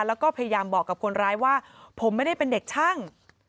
แล้วก็พยายามบอกกับคนร้ายว่าผมไม่ได้เป็นเด็กช่าง